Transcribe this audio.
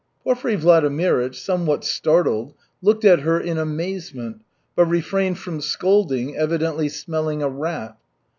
Porfiry Vladimirych, somewhat startled, looked at her in amazement, but refrained from scolding, evidently smelling a rat.